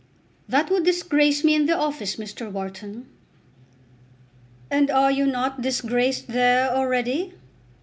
"That would disgrace me in the office, Mr. Wharton." "And are you not disgraced there already?